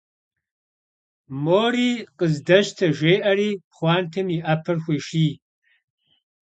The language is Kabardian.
Мори къыздэщтэ, - жеӏэри пхъуантэм и Ӏэпэр хуеший.